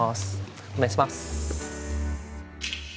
お願いします。